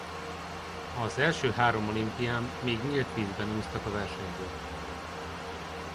Az első három olimpián még nyílt vízben úsztak a versenyzők.